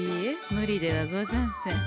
無理ではござんせん。